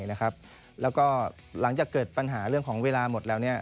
แล้วก็หลังจากเกิดปัญหาเรื่องของเวลาหมดแล้ว